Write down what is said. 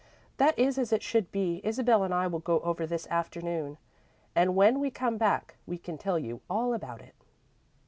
"That is as it should be. Isabel and I will go over this afternoon, and when we come back, we can tell you all about it."